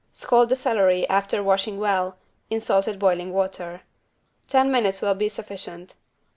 Scald the celery, after washing well, in salted boiling water. Ten minutes will be sufficient.